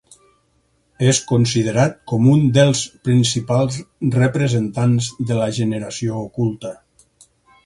És considerat com un dels principals representants de la generació oculta.